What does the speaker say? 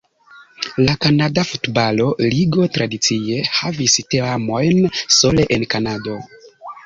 La Kanada Futbalo-Ligo tradicie havis teamojn sole en Kanado.